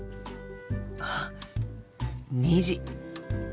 あっ２時。